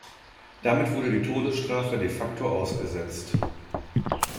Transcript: Damit wurde die Todesstrafe de facto ausgesetzt.